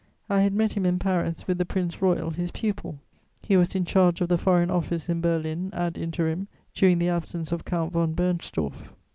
I had met him in Paris with the Prince Royal, his pupil; he was in charge of the Foreign Office in Berlin, ad interim, during the absence of Count von Bernstorff.